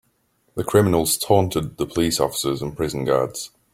The criminals taunted the police officers and prison guards.